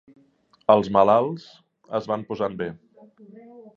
Els malalts es van posant bé.